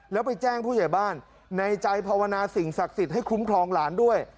แล้วไปแจ้งผู้ใหญ่บ้านในใจภาวนาสิ่งศักดิ์สิทธิ์ให้คุ้มครองหลานด้วย